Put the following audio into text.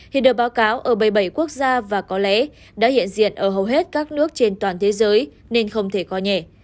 hiện được báo cáo ở bảy mươi bảy quốc gia và có lẽ đã hiện diện ở hầu hết các nước trên toàn thế giới nên không thể coi nhẹ